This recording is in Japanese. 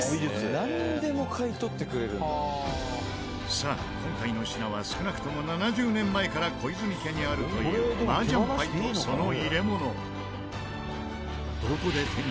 さあ今回の品は少なくとも７０年前から小泉家にあるという麻雀牌とその入れ物。